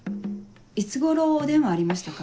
いつ頃お電話ありましたか？